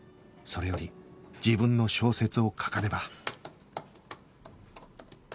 それより自分の小説を書かねば